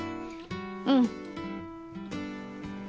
うん。